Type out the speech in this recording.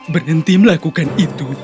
berhenti melakukan itu